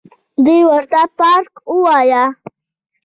دوى ورته پارک وايه.